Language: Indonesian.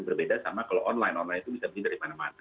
berbeda sama kalau online online itu bisa beli dari mana mana